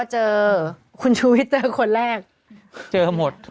เจอหมด